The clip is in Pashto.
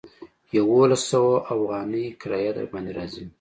يوولس سوه اوغانۍ کرايه درباندې راځي.